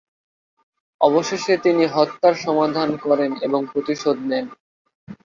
অবশেষে, তিনি হত্যার সমাধান করেন এবং প্রতিশোধ নেন।